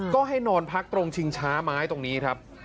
ก็ให้นอนพักตรงชิงช้าไม้ตรงนี้ครับ